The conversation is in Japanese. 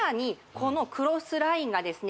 このクロスラインがですね